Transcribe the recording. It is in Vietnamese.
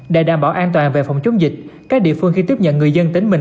để đảm bảo an toàn về phòng chống dịch các địa phương khi tiếp nhận người dân tính mình